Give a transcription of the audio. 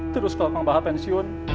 terus kalau kang bahat pensiun